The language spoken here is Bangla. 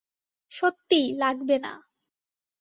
সত্যিই, লাগবে না।